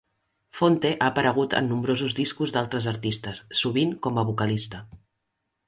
Phonte ha aparegut en nombrosos discos d'altres artistes, sovint com a vocalista.